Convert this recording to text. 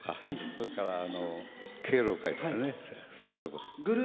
それから敬老会とかそういうところ。